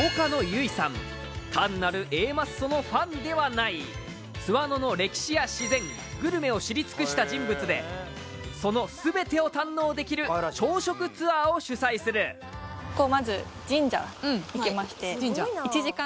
単なるＡマッソのファンではない津和野の歴史や自然グルメを知り尽くした人物でその全てを堪能できる朝食ツアーを主催するうん神社１時間！？